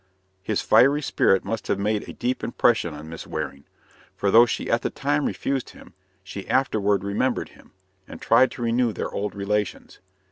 His fiery spirit must have made a deep impression on Miss Waring; for though she at the time refused him, she afterward remembered him, and tried to renew their old relations.